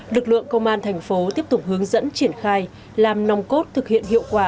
lực lượng công an thành phố tiếp tục hướng dẫn triển khai làm nòng cốt thực hiện hiệu quả